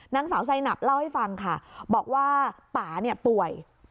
นางสาวไซนับเล่าให้ฟังค่ะบอกว่าป่าเนี่ยป่วย